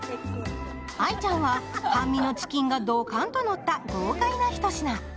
愛ちゃんは半身のチキンがどかんと乗った豪快なひと品。